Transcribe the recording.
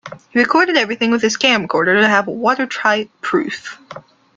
He recorded everything with his camcorder to have a watertight proof.